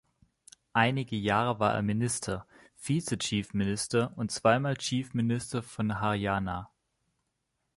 Einige Jahre war er Minister, Vize-Chief-Minister und zweimal Chief Minister von Haryana.